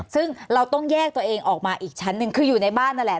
ซึ่งเราต้องแยกตัวเองออกมาอีกชั้นหนึ่งคืออยู่ในบ้านนั่นแหละ